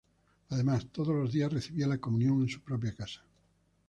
Además, todos los días recibía la Comunión en su propia casa.